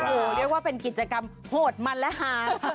โอ้โหเรียกว่าเป็นกิจกรรมโหดมันและหา